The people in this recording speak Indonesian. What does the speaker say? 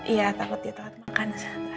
iya takut dia takut makan